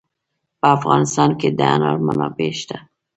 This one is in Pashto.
په افغانستان کې د انار منابع شته.